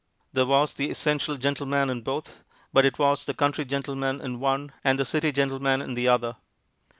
There was the essential gentleman in both, but it was the country gentleman in one and the city gentleman in the other.